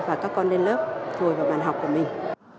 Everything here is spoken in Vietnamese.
và các con lên lớp hồi vào bàn học của mình